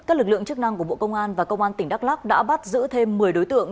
các lực lượng chức năng của bộ công an và công an tỉnh đắk lắc đã bắt giữ thêm một mươi đối tượng